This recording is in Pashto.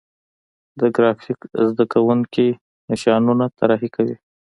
د ګرافیک زده کوونکي نشانونه طراحي کوي.